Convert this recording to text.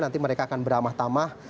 nanti mereka akan beramah tamah